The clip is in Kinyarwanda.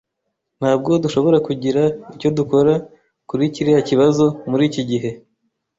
Ntabwo dushobora kugira icyo dukora kuri kiriya kibazo muri iki gihe.